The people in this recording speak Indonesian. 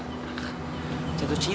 aku jatuh cinta